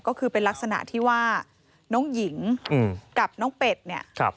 ก็คือเป็นลักษณะที่ว่าน้องหญิงกับน้องเป็ดเนี่ย